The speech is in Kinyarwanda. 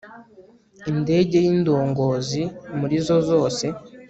indege y' indongozi muri zo zose